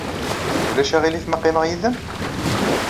Ulac aɣilif ma qqimeɣ yid-m?